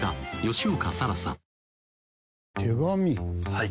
はい。